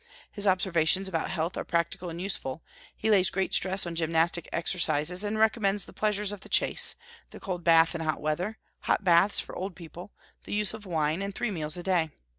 His observations about health are practical and useful; he lays great stress on gymnastic exercises, and recommends the pleasures of the chase, the cold bath in hot weather, hot baths for old people, the use of wine, and three meals a day.